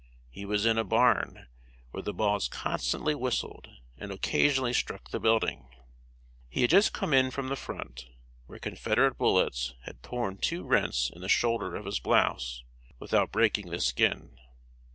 He was in a barn, where the balls constantly whistled, and occasionally struck the building. He had just come in from the front, where Confederate bullets had torn two rents in the shoulder of his blouse, without breaking the skin.